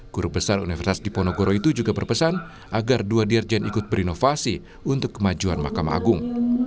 guru besar universitas diponegoro itu juga berpesan agar dua dirjen ikut berinovasi untuk kemajuan mahkamah agung